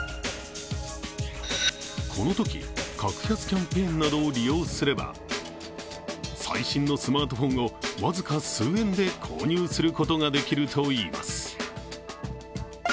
このとき、格安キャンペーンなどを利用すれば最新のスマートフォンを僅か数円で購入することができるといいます。